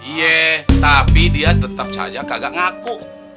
iya tapi dia tetep saja kagak ngaku